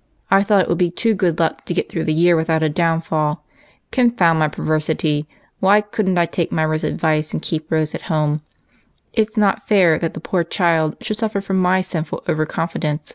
" I thought it would be too good luck to get through the year without a downfall. Confound my perver sity ! why could n't I take Myra's advice and keep Rose at home. It's not fair that the poor child should suffer for my sinful over confidence.